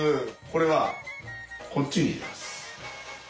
これはこっちに行きます。